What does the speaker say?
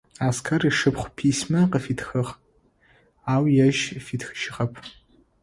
Аскэр ышыпхъу письма къыфитхыгъ, ау ежь фитхыжьыгъэп.